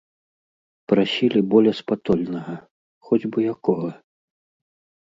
Прасілі болеспатольнага, хоць бы якога.